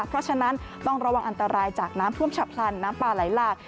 เพราะฉะนั้นต้องระวังอันตรายจากน้ำท่วมฉับพลันน้ำปลาไหลหลาก